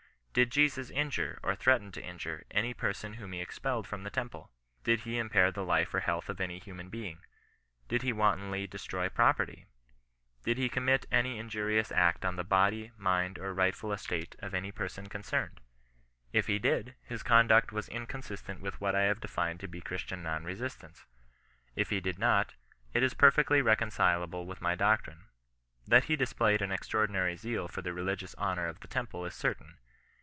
Did Jesus injure, or threaten to injure, any person whom he expelled from the temple ? Did he impair the life or health of any human being? Did he wantonly destroy property ? Did he commit any in jurious act on the body, mind, or rightful estate of any person concerned ? If he did, his conduct was incon sistent with what I have defined to be Christian non resistance. If he did not, it is perfectly reconcileable with my floctrine. That he displayed an extraordinary zeal for the religious honour of the temple is certain.